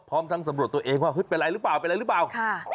พร้อมทั้งสำรวจตัวเองว่าเป็นอะไรหรือเปล่า